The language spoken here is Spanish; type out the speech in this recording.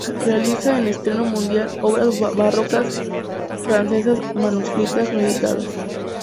Realiza en estreno mundial obras barrocas francesas manuscritas no editadas.